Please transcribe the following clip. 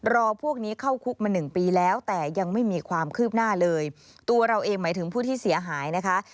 พวกนี้เข้าคุกมาหนึ่งปีแล้วแต่ยังไม่มีความคืบหน้าเลยตัวเราเองหมายถึงผู้ที่เสียหายนะคะ